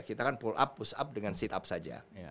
kita kan pull up push up dengan sit up saja